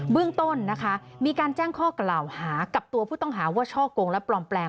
เรื่องต้นนะคะมีการแจ้งข้อกล่าวหากับตัวผู้ต้องหาว่าช่อกงและปลอมแปลง